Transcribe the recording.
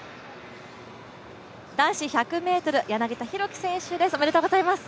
男子１００ｍ、柳田大輝選手ですおめでとうございます。